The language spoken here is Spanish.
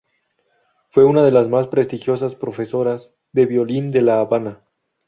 Fue una de las más prestigiosas profesoras de violín de La Habana.